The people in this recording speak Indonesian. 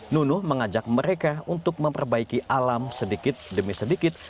nunuh mengajak mereka untuk memperbaiki alam sedikit demi sedikit